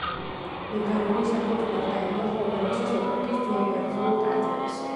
მეგარონი საფუძვლად დაედო ჰომეროსის ეპოქის ძველ ბერძნულ ტაძრებს.